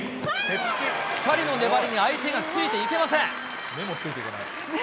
２人の粘りに相手がついていけません。